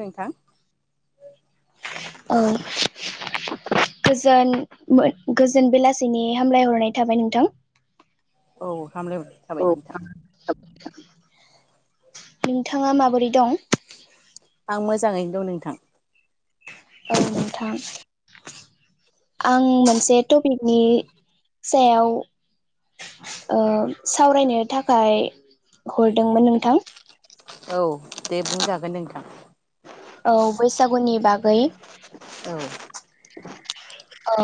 नोंथां औ गोजोन मोन गोजोन बेलासिनि हामलायहरनाय थाबाय नोंथां। औ हामलायहरनाय थाबाय औ नोंथां नोंथाङा माबोरै दं? आं मोजाङैनो दं नोंथां। औ नोंथां। आं मोनसे टपिकनि सायाव ओ सावरायनो थाखाय हरदोंमोन नोंथां। औ दे बुंजागोन नोंथां। औ बैसागुनि बागै औ ओ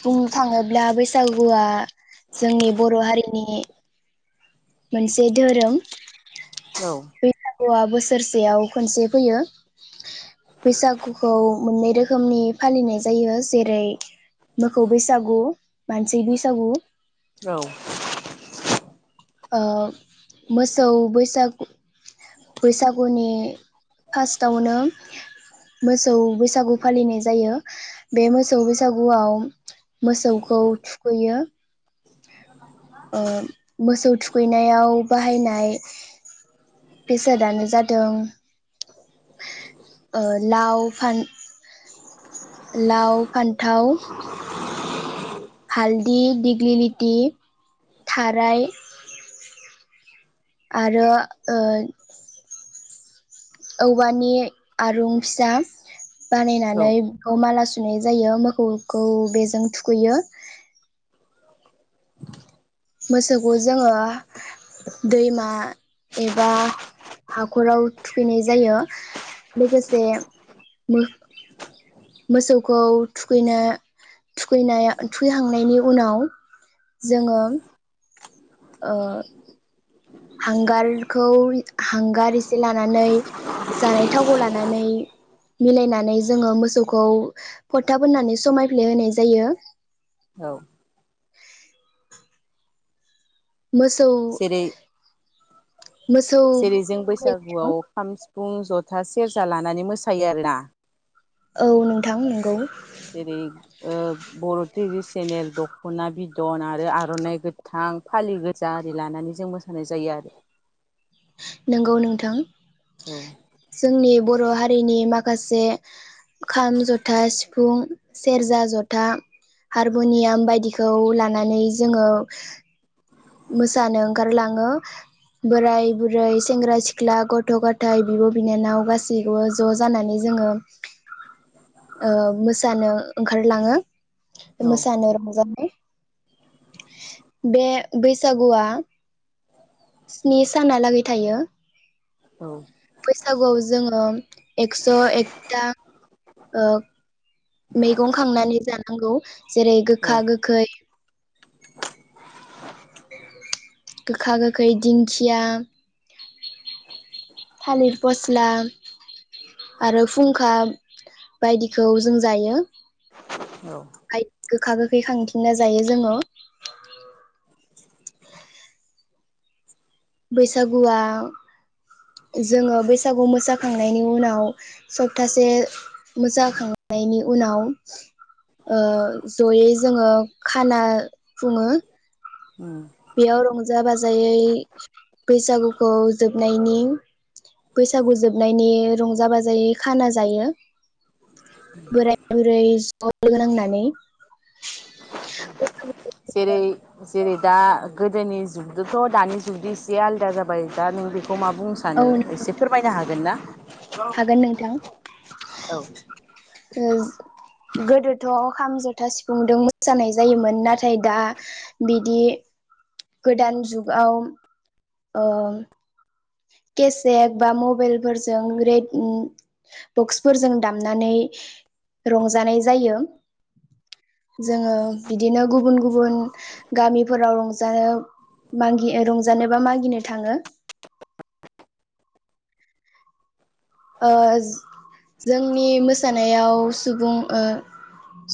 बुंनो थाङोब्ला बैसागुआ जोंनि बर' हारिनि मोनसे दोरों औ गुवा बोसोरसेयाव खनसे फैयो बैसागुखौ मोन्नै रोखोमनि फालिनाय जायो जेरै मोसौ बैसागु मानसि बैसागु औ ओ मोसौ बैसागु बैसागुनि फास्थावनो मोसौ बैसागु फालिनाय जायो बे मोसौ बैसागुआव मोसौखौ थुखैयो ओ मोसौ थुखैनायाव बाहायनाय बेसादानो जादों लाव, फान-फान्थाव हालदि दिग्लि लिथि थाराय आरो ओ औवानि आरं फिसा औ बानायनानै बेखौ माला सुनाय जायो मोखौखौ बेजों थुखैयो मोसौखौ जोङो दैमा एबा हाखराव थुखैनाय जायो लोगोसे मो मोसौखौ थुखैनो थुखैनाय थुखैहांनायनि उनाव जोङो ओ हांगारखौ हांगार एसे लानानै जानाय थावखौ लानानै मिलायनानै जोङो मोसौखौ फोथा फोननानै समायफ्लेहोनाय जायो औ मोसौ जेरै मोसौ जेरै जों बैसागुआव खाम सि फुं ज'था सेरजा लानानै मोसायो आरोना औ नोंथां नंगौ जेरै ओ बर' ट्रेडिसिनेल दख'ना बिदन आरो आर'नाइ गोथां फालि गोजा आरि लानानै जों मोसानाय जायो आरो नंगौ नोंथां औ जोंनि ब र' हारिनि माखासे खाम जथा सि फुं सेरजा जथा हारमुनियाम बायदिखौ लानानै जोङो मोसानो ओंखारलाङो बोराय बुरै सेंग्रा सिख्ला गथ' गथाइ बिब' बिनानाव गासैबो ज' जानानै जोङो ओ मोसानो ओंखारलाङो औ मोसानो ओर मोजां मोनबाय बे बैसागुआ स्नि सानालागै थायो औ बैसागुआव जोङो एक्स' एकथा ओ मैगं खांनानै जानांगौ जेरै गोखा गोखै गोखा गोखै दिंखिया थालिर फस्ला आरो फुंखा बायदिखौ जों जायो औ गोखा गोखै खांथिंना जायो जोङो [inaudible] बैसागुआ जोङो बैसागु मोसाखांनायनि उनाव सप्तासे मोसाखांनायनि उनाव ओ जयै जोङो खाना खुङो ओम बेयाव रंजा बाजायै बैसागुखौ जोबनायनि बैसागु जोबनायनि रंजा बाजायै खाना जायो बोराय बुरै ज' लोगो नांनानै जेरै जेरै दा गोदोनि जुगजोथ' दानि जुगजों एसे आलादा जाबाय दा नों बे खौ मा बुंनो औ सानो एसे फोरमायनो हागोन ना हागोन नोंथां औ औ थोज गोदोथ' खाम जथा सिफुंदों मोसानाय जायोमोन नाथाय दा बिदि गोदान जुगाव ओ केसेक बा मबेलफोरजों रेड ओम बक्सफोरजों दामनानै रंजानाय जायो जोङो बिदिनो गुबुन गुबुन गामिफोराव रंजा मागि रंजानो बा मागिनो थाङो ओ जोंनि मोसानायाव सुबुं ओ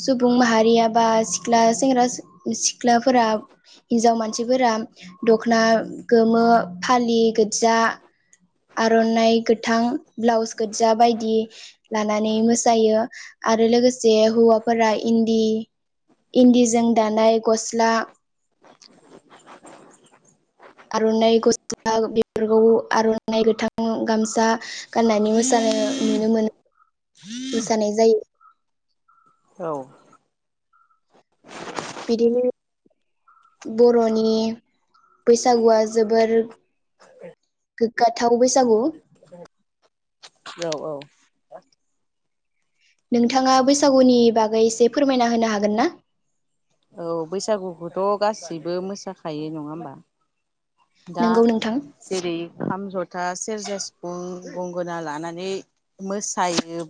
सुबुं माहारिया बा सिख्ला सेंग्रा सि सिख्लाफोरा हिन्जाव मानसिफोरा दख'ना गोमो फालि गोज्जा आर'नाइ गोथां ब्लाउस गोज्जा बायदि लानानै मोसायो आरो लोगोसे हौवाफोरा इन्दि इन्दिजों दानाय गस्ला आर'नाइ गस्ला बेफोरखौ आर'नाइ गोथां गामसा गाननानै मोसानो नुनो मोनो मोसानाय जायो। औ बिदिनो बर'नि बैसागुआ जोबोर गोग्गाथाव बैसागु। औ औ नोंथाङा बैसागुनि बागै एसे फोरमायना होनो हागोन ना? औ बैसागुखौथ' गासैबो मोसाखायो नङा होमबा? दा नोंगौ नोंथां जेरै खाम जथा सेरजा सिफुं गंगोना लानानै मोसायो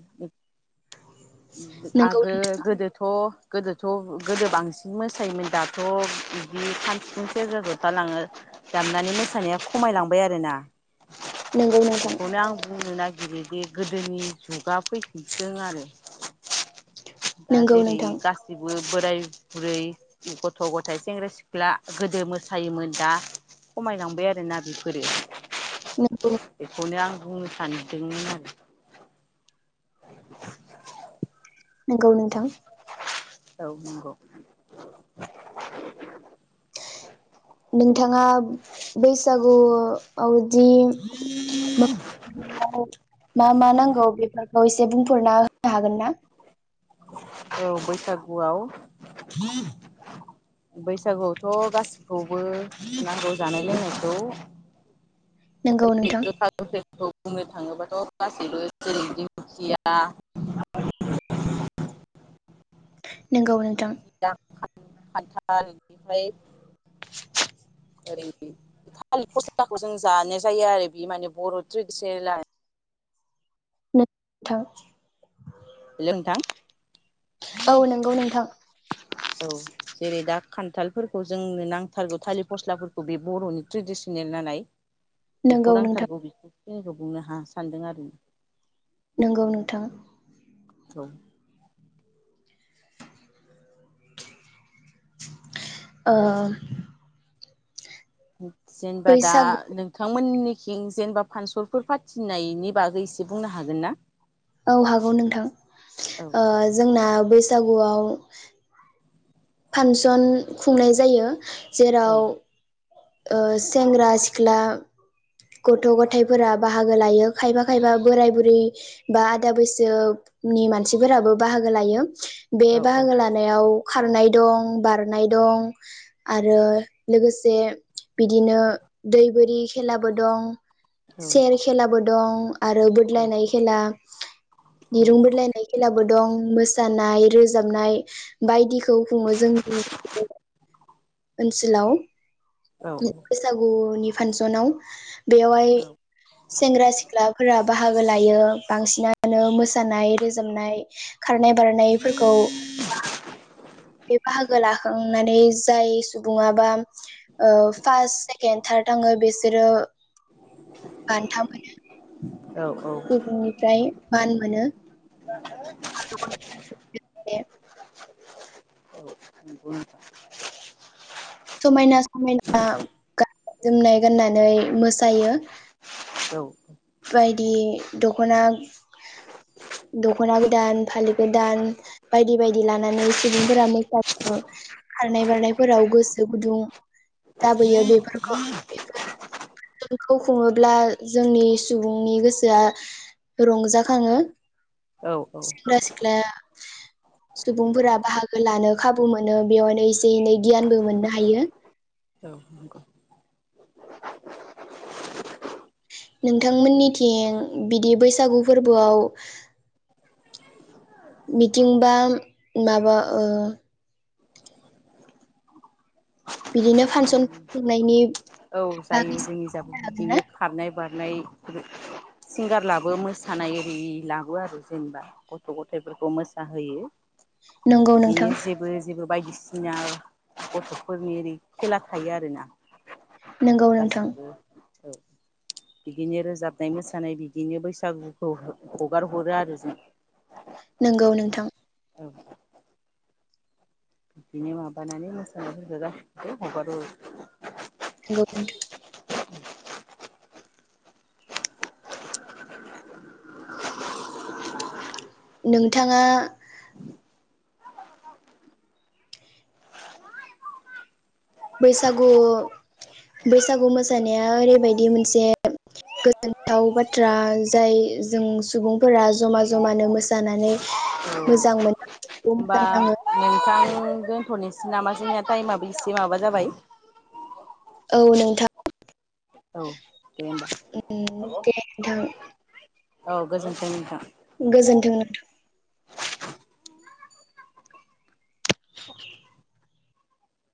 नोंगौ आगो नोंथां गोदोथ' गोदोथ' ओं गोदो बांसिन मोसायोमोन दाथ' बिदि खाम सिफुं सेरजा जथा लाङो दामनानै मोसानाया खमायलांबाय आरोना नोंगौ नोंथां बेखौनो आं बुंनो नागिरो। बे गोदोनि जुगा फैफिनथों आरो दा नोंगौ जेरै नोंथां गासिबो बोराय बुरै गथ' गथाइ सेंग्रा सिख्ला गोदो मोसायोमोन दा खमायलांबाय आरोना बेफोरो नोंगौ एखौनो आं बुंनो सानदोंमोन आरो [unintelligible] नंगौ नोंथां औ नंगौ। नोंथाङा बैसागु आव जि [unintelligible] मा मा नांगौ बेफोरखौ एसे बुंफोरना होनो हागोन ना? औ बैसागुआव बैसागुआवथ' गासिखौबो नांगौ जानाय लोंनायखौ नोंगौ नोंथां [unintelligible] खौ बुंनो थाङोबाथ' गासैबो जेरै दिंखिया नोंगौ नोंथां [unintelligible] खान्थाल बेनिफ्राय [inaudible] ओरै थालिर फस्लाखौ जों जानाय जायो आरो बे माने बर' ट्रेडिसनेल नोंथां लों नोंथां औ नोंगौ नोंथां [unintelligible] औ जेरै दा खान्थालफोरखौ जोंनो नांथारगौ थालिर फस्लाफोरखौ बे बर'नि ट्रेडिसनेल नालाय नोंगौ बेखौ नोंथां नांथारगौ बेखौ [unintelligible] खौ बुंनो हा सानदों आरो नंगौ नोंथां औ ओ [inaudible] जेनेबा दा बैसागु नोंथांमोननि जेनेबा फानसलफोर फाथिनायनि बागै एसे बुंनो हागोन ना औ हागौ नोंथां औ जोंना बैस गुआव फांसन खुंनाय जायो औ जेराव ओ सेंग्रा सिख्ला गथ' गथायाइफोरा बाहागो लायो खायफा खायफा बोराय बुरै बा आदा बैसोनि मानसिफोराबो बाहागो लायो। बे औ बाहागो लानायाव खारनाय दं बारनाय दं आरो लोगोसे बिदिनो दै बोरि खेलाबो दं औ सेर खेलाबो दं आरो औ बोदलायनाय खेला औ दिरुं बोदलायनाय खेलाबो बो दं मोसानाय रोजाबनाय बायदिखौ खुङो जोंनि ओनसोलाव औ [unintelligible] गुनि फांसनाव बेवहाय सेंग्रा सिख्लाफोरा बाहागो लायो बांसिनानो मोसानाय रोजाबनाय खारनाय बारनायफोरखौ बे बाहागो लाखांनानै जाय सुबुङाबा ओ फार्स्ट सेकेणड थार्द थांङो बिसोरो बान्था औ सुबुंनिफ्राय मान मोनो बे [unintelligible] [inaudible] समायना समायना गाननाय जोमनाय गाननानै मोसायो। औ बायदि दख'ना दख'ना गोदान फालि गोदान बायदि बायदि लानानै सुबुंफोरा मोसा खारनाय बारनायफोराव गोसो गुदुं जाबोयो बेफोरखौ बेखौ खुङोब्ला जोंनि सुबुंनि गोसोआ रंजाखाङो औ औ सेंग्रा सिख्ला सुबुंफोरा बाहागो लानो खाबु मोनो बेवायनो एसे एनै गियानबो मोननो हायो। नंगौ नोंथांमोननिथिं बिदि बैसागु फोरबोआव मिथिंबा माबा ओ। बिदिनो फांसन खुंनायनि औ जायो बागै जोंनि जाबो सावरायनो हागोन ना बिदिनो खारनाय बारनाय नाय सिंगार लाबो मोसानाय आरि लाबो आरो जेनेबा गथ' गथायाइफोरखौ मोसाहोयो। नंगौ नोंथां बिदिनो जेबो जेबो बायदिसि सिनाव गथ'फोरनि ओरै खेला थायो आरोना नंगौ नोंथां गासैसिबो औ बिदिनो रोजाबनाय, मोसानाय बिदिनो बैसागुखौ हगार हरो आरो जों नोंगौ नोंथां। औ बिदिनो माबानानै मोसानायफोरखो गासै हगारो। नंगौ नोंथां। नोंथाङा बैसागु बैसागु मोसानाया ओरैबायदि मोनसे गोजोनथाव बाथ्रा जाय जों सुबुंफोरा जमा जमानो मोसानानै हरो औ मोजां मोनो होमबा मोजां नाङो नोंथां दोनथ'नोसै नामा जोंनिया टाइमाबो एसे माबा जाबाय। औ नोंथां औ दे होमबा उम दे नोंथां औ गोजोनथों नोंथां। गोजोन्थों।